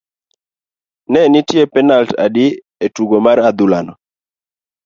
ne nitie penalt adi e tugo mar adhula no?